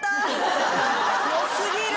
良過ぎる。